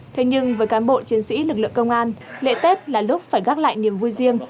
thế nhưng với cán bộ chiến sĩ lực lượng công an lễ tết là lúc phải gác lại niềm vui riêng